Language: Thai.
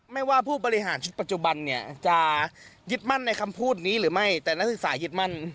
ไม่ว่าผู้บริหารปัจจุบันจะหยิดมั่นในคำพูดนี้หรือไม่แต่นักศึกศึกษาหยิดมั่น